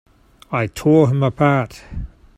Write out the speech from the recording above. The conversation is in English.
I tore him apart!